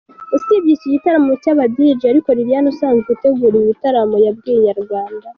Usibye iki gitaramo cy’aba Djs ariko Liliane usanzwe utegura ibi bitaramo yabwiye Inyarwanda.